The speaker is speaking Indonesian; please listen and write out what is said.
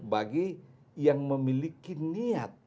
bagi yang memiliki niat untuk melakukan ini